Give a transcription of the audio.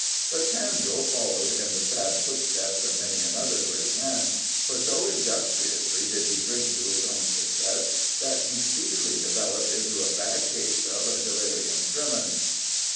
But Samuel followed in the sad footsteps of many another great man, for so industriously did he drink to his own success that he speedily developed into a bad case of delirium tremens.